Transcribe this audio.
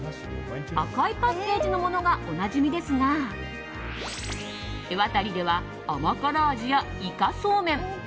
赤いパッケージのものがおなじみですがエワタリでは甘辛味やイカソーメン